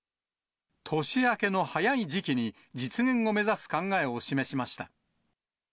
年明けの早い時期に実現を目指す考えを示しました。